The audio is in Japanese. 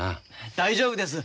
大丈夫です。